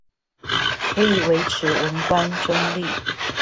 可以維持文官中立